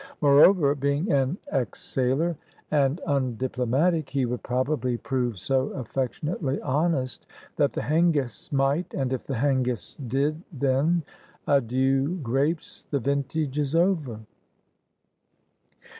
Moreover, being an ex sailor and undiplomatic, he would probably prove so affectionately honest, that the Hengists might and if the Hengists did, then "adieu grapes, the vintage is over."